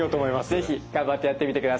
是非頑張ってやってみてください。